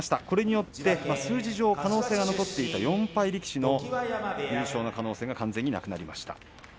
これによって数字上可能性が残っていた４敗力士の優勝の可能性が完全になくなりました。